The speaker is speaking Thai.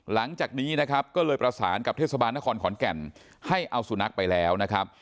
หลังจากนี้นะครับก็เลยประสานกับเทศบาลนครขอนแก่นให้เอาสุนัขไปแล้วนะครับ